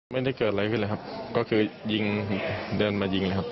ไม่ได้เกิดอะไรขึ้นเลยครับก็คือยิงเดินมายิงเลยครับ